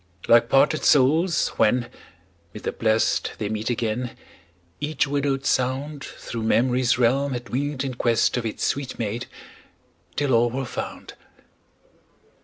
Like parted souls, when, mid the Blest They meet again, each widowed sound Thro' memory's realm had winged in quest Of its sweet mate, till all were found.